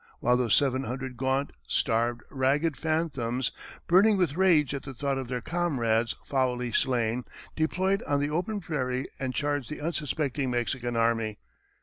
while those seven hundred gaunt, starved, ragged phantoms, burning with rage at the thought of their comrades foully slain, deployed on the open prairie and charged the unsuspecting Mexican army.